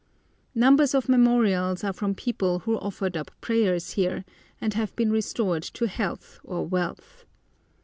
Numbers of memorials are from people who offered up prayers here, and have been restored to health or wealth.